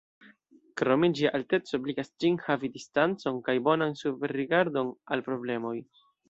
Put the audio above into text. Krome, ĝia alteco ebligas ĝin havi distancon kaj bonan superrigardon al problemoj.